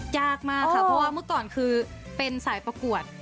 ยากมากค่ะเพราะว่าเมื่อก่อนคือเป็นสายประกวด